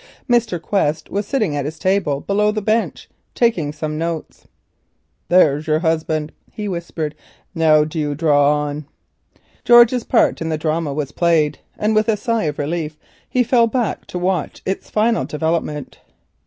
Mr. Quest was sitting at his table below the bench taking some notes. "There's your husband," George whispered, "now do you draw on." George's part in the drama was played, and with a sigh of relief he fell back to watch its final development.